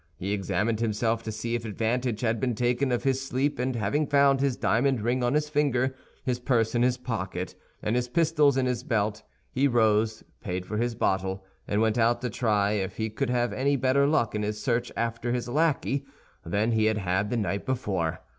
He examined himself to see if advantage had been taken of his sleep, and having found his diamond ring on his finger, his purse in his pocket, and his pistols in his belt, he rose, paid for his bottle, and went out to try if he could have any better luck in his search after his lackey than he had had the night before.